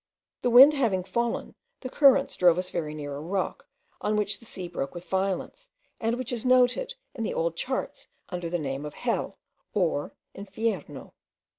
The wind having fallen, the currents drove us very near a rock, on which the sea broke with violence, and which is noted in the old charts under the name of Hell, or Infierno.